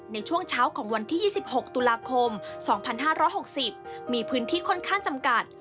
ในช่วงเช้าของวันที่๒๖ตุลาคม๒๕๖๐มีพื้นที่ค่อนข้างจำกัด